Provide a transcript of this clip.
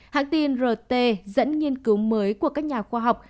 hãng tin rt dẫn nghiên cứu mới của các nhà khoa học